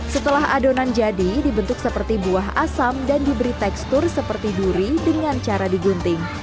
setelah adonan jadi dibentuk seperti buah asam dan diberi tekstur seperti duri dengan cara digunting